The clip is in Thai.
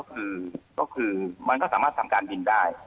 ก็คือมันก็สามารถทำการบินได้